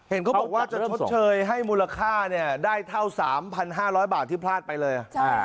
เขาบอกว่าจะชดเชยให้มูลค่าได้เท่า๓๕๐๐บาทที่พลาดไปเลย